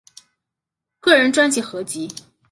个人专辑合辑